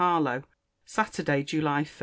HARLOWE SATURDAY, JULY 1.